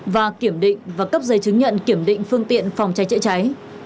và kiểm định và cấp dây chứng nhận kiểm định phương tiện phòng cháy trợ cháy